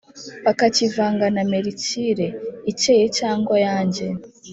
bakakivanga na merikire (icyeye cyangwa yang),